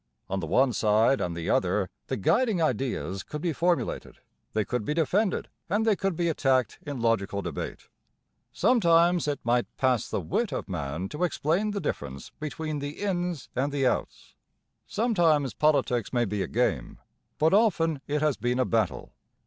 On the one side and the other the guiding ideas could be formulated; they could be defended and they could be attacked in logical debate. Sometimes it might pass the wit of man to explain the difference between the Ins and the Outs. Sometimes politics may be a game; but often it has been a battle.